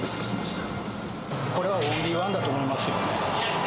これはオンリーワンだと思い